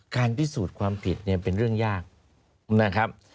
การพิสูจน์ความผิดเนี่ยเป็นเรื่องยากนะครับ